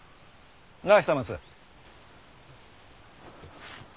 なあ久松？